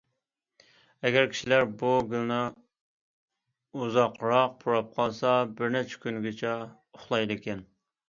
ئەگەر كىشىلەر بۇ گۈلنى ئۇزاقراق پۇراپ قالسا، بىر نەچچە كۈنگىچە ئۇخلايدىكەن.